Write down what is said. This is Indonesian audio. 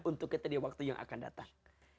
untuk kita di waktu yang akan datang